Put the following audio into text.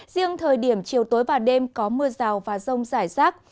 riêng thời điểm chiều tối và đêm có mưa rào và rông rải rác